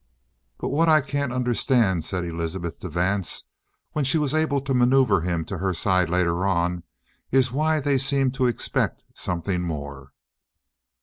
"But what I can't understand," said Elizabeth to Vance when she was able to maneuver him to her side later on, "is why they seem to expect something more."